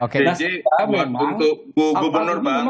pj buat untuk gubernur bang